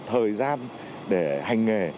thời gian để hành nghề